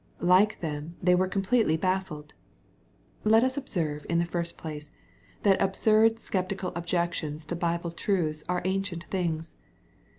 Like them, they were completely baffled. Lotus observe, in the first place, that absurd sceptical objections to Bible truths are ancient things.